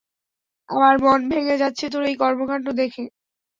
আমার মন ভেঙে যাচ্ছে তোর এই কর্মকান্ড দেখে।